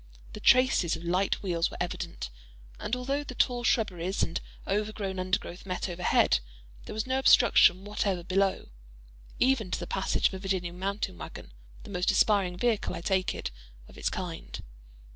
The traces of light wheels were evident; and although the tall shrubberies and overgrown undergrowth met overhead, there was no obstruction whatever below, even to the passage of a Virginian mountain wagon—the most aspiring vehicle, I take it, of its kind.